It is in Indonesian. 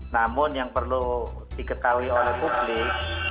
namun yang perlu diketahui oleh publik